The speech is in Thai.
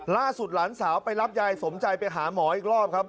หลานสาวไปรับยายสมใจไปหาหมออีกรอบครับ